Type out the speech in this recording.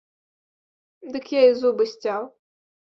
Дык я і зубы сцяў.